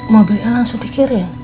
mau beli langsung dikirim